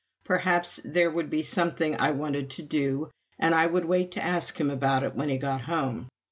Perhaps there would be something I wanted to do, and I would wait to ask him about it when he got home.